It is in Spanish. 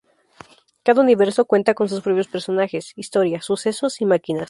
Cada universo cuenta con sus propios personajes, historia, sucesos y máquinas.